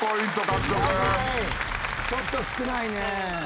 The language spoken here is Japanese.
ちょっと少ないね。